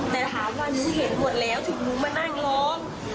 แต่ถามว่าหนูเห็นหมดแล้วถึงหนูมานั่งร้อง